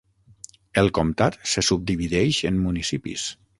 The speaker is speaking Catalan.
El comtat se subdivideix en municipis.